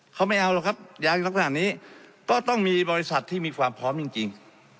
เขาไม่เอาหรอกครับยางลักษณะนี้ก็ต้องมีบริษัทที่มีความพร้อมจริง